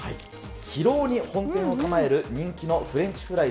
広尾に本店を構える人気のフレンチフライ